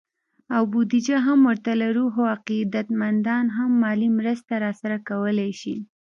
او بودیجه هم ورته لرو، خو عقیدت مندان هم مالي مرسته راسره کولی شي